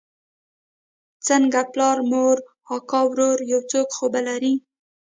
څنگه پلار مور اکا ورور يو څوک خو به لرې.